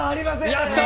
やったー！